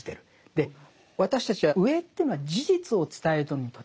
で私たちは上というのは事実を伝えるのにとても適してるんです。